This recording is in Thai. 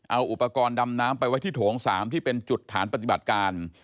เอาอุปกรณ์ดำน้ำไปไว้ที่โถง๓ที่เป็นจุดฐานปฏิบัติการ